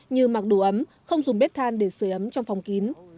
như mặc đủ ấm không dùng bếp than để sửa ấm trong phòng kín